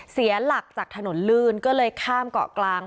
เสียหลักจากถนนลื่นก็เลยข้ามเกาะกลาง